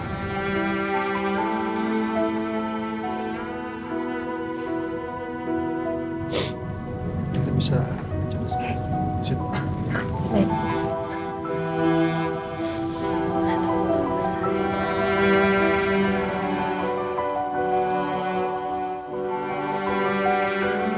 kita bisa jalan sekarang